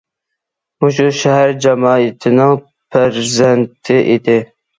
مۇشۇ شەھەر جامائىتىنىڭ پەرزەنتى ئىدى.